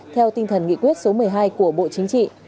theo tinh thần nghị quyết số một mươi hai của bộ chính trị